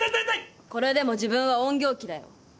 これでも自分は隠形鬼だよ。